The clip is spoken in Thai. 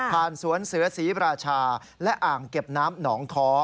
ผ่านสวนเสือสีประชาและอ่างเก็บน้ำหนองคอ